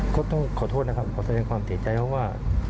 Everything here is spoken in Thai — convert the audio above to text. ก็ต้องขอโทษนะครับขอแสดงความเสียใจเพราะว่า